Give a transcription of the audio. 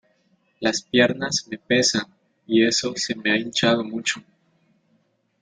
Las piernas me pesan y eso se me ha hinchado mucho.